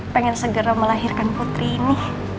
pengen segera melahirkan putri ini